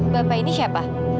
bapak ini siapa